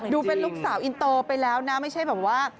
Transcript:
ดูเป็นลูกสาวอินโตไปแล้วนะไม่ใช่แบบว่า